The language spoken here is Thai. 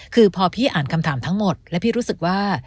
คือพอพี่อ่านคำถามทั้งหมดแล้วพี่รู้สึกว่า